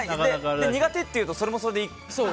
苦手って言うと、それもそれで。